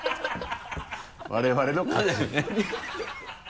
我々の勝ち